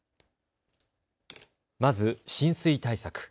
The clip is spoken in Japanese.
まず浸水対策。